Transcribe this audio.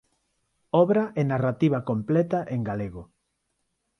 Obra e narrativa completa en galego.